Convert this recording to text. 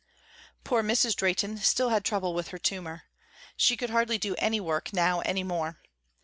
Poor Mrs. Drehten still had trouble with her tumor. She could hardly do any work now any more.